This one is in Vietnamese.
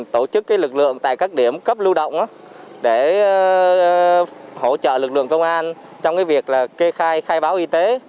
tổ chức lực lượng tại các điểm cấp lưu động để hỗ trợ lực lượng công an trong việc kê khai khai báo y tế